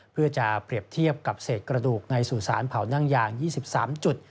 เพื่อจะเปรียบเทียบกับเศษกระดูกในสู่สารเผานั่งยาง๒๓จุด